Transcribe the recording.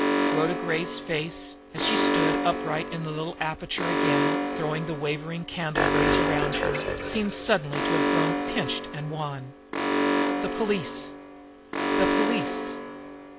Rhoda Gray's face, as she stood upright in the little aperture again, throwing the wavering candle rays around her, seemed suddenly to have grown pinched and wan. The police! The police!